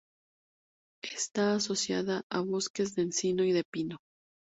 Está asociada a bosques de encino y de pino.